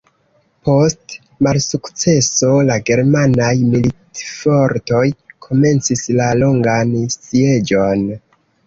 Post malsukceso la germanaj militfortoj komencis la longan sieĝon.